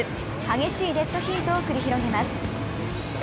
激しいデッドヒートを繰り広げます。